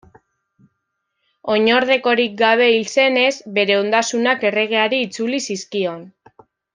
Oinordekorik gabe hil zenez, bere ondasunak erregeari itzuli zizkion.